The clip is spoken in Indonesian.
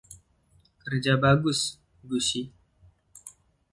Kerja bagus, Gussie.